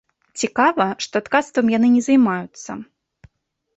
Цікава, што ткацтвам яны не займаюцца.